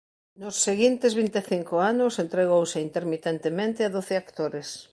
Nos seguintes vinte e cinco anos entregouse intermitentemente a doce actores.